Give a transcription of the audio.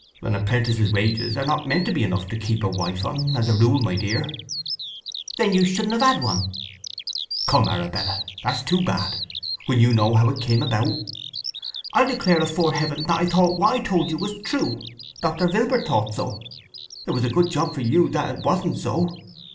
"An apprentice's wages are not meant to be enough to keep a wife on, as a rule, my dear." "Then you shouldn't have had one." "Come, Arabella! That's too bad, when you know how it came about." "I'll declare afore Heaven that I thought what I told you was true. Doctor Vilbert thought so. It was a good job for you that it wasn't so!"